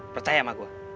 percaya sama gue